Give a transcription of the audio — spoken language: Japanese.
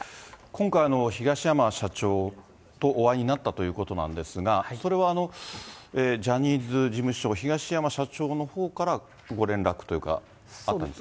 今回、東山社長とお会いになったということなんですが、それはジャニーズ事務所、東山社長のほうからご連絡というか、あったんですか？